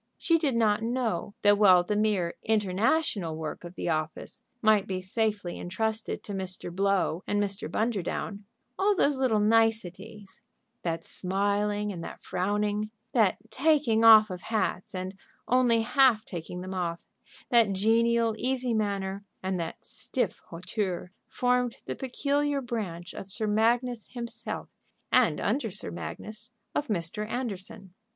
She did not know that while the mere international work of the office might be safely intrusted to Mr. Blow and Mr. Bunderdown, all those little niceties, that smiling and that frowning, that taking off of hats and only half taking them off, that genial, easy manner, and that stiff hauteur, formed the peculiar branch of Sir Magnus himself, and, under Sir Magnus, of Mr. Anderson.